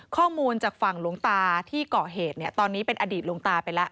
ข้อมูลจากฝั่งหลวงตาที่เกาะเหตุเนี่ยตอนนี้เป็นอดีตหลวงตาไปแล้ว